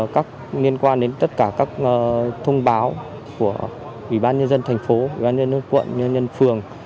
các liên quan đến tất cả các thông báo của ủy ban nhân dân thành phố ủy ban nhân dân quận ủy nhân phường